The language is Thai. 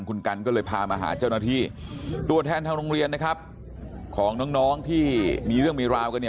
คุณกันก็เลยพามาหาเจ้าหน้าที่ตัวแทนทางโรงเรียนนะครับของน้องที่มีเรื่องมีราวกันเนี่ย